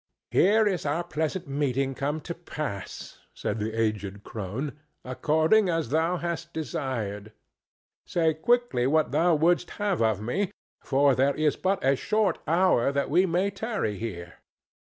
"Here is our pleasant meeting come to pass," said the aged crone, "according as thou hast desired. Say quickly what thou wouldst have of me, for there is but a short hour that we may tarry here."